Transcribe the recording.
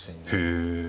へえ。